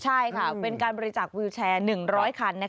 ใช่ค่ะเป็นการบริจาควิวแชร์๑๐๐คัน